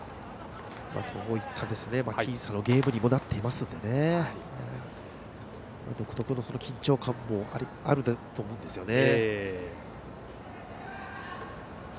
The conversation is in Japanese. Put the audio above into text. こういった僅差のゲームにもなっていますので独特の緊張感もあると思いますね。